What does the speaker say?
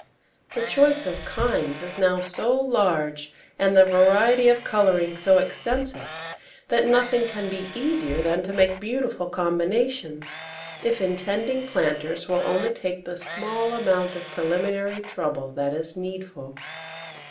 The choice of kinds is now so large, and the variety of colouring so extensive, that nothing can be easier than to make beautiful combinations, if intending planters will only take the small amount of preliminary trouble that is needful.